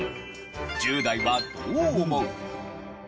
１０代はどう思う？